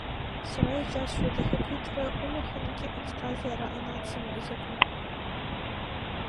Сара иџьасшьоит, ахақәиҭра умахынгьы, аԥсҭазаара анацым изакәу?